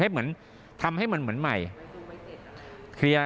คือทำให้เหมือนมี